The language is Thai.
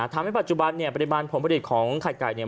ทำให้ปัจจุบันปฏิบันผลผลิตของไข่ไก่